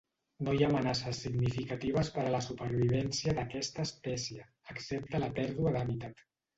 No hi ha amenaces significatives per a la supervivència d'aquesta espècie, excepte la pèrdua d'hàbitat.